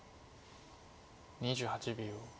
２８秒。